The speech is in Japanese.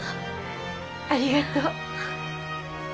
ありがとう。